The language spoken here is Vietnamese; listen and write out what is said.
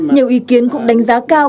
nhiều ý kiến cũng đánh giá cao